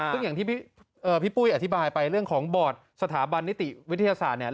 ซึ่งอย่างที่พี่ปุ้ยอธิบายไปเรื่องของบอร์ดสถาบันนิติวิทยาศาสตร์เนี่ย